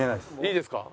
いいですか？